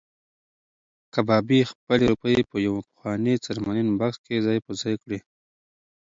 کبابي خپلې روپۍ په یو پخواني څرمنین بکس کې ځای پر ځای کړې.